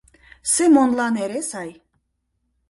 Семонлан эре сай.